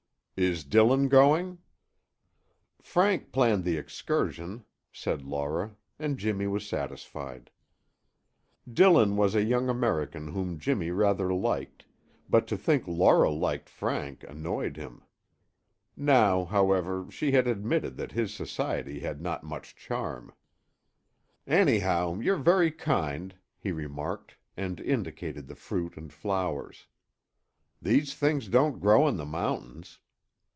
"Is Dillon going?" "Frank planned the excursion," said Laura and Jimmy was satisfied. Dillon was a young American whom Jimmy rather liked, but to think Laura liked Frank annoyed him. Now, however, she had admitted that his society had not much charm. "Anyhow, you're very kind," he remarked, and indicated the fruit and flowers. "These things don't grow in the mountains."